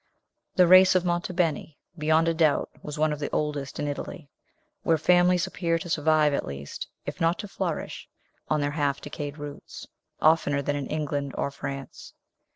The race of Monte Beni, beyond a doubt, was one of the oldest in Italy, where families appear to survive at least, if not to flourish, on their half decayed roots, oftener than in England or France.